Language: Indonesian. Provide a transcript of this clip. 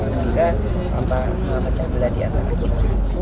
dan jembiran tanpa mecah belah di antara kita